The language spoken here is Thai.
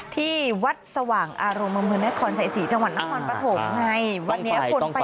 ที่วัดสว่างอารมณ์เมืองนครใส่ศรีจังหวัดนครปฐมไงต้องไปต้องไป